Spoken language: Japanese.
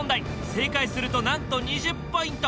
正解するとなんと２０ポイント！